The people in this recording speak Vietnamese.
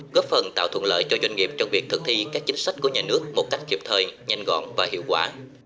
góp phần tạo thuận lợi cho doanh nghiệp trong việc thực thi các chính sách của nhà nước một cách kịp thời nhanh gọn và hiệu quả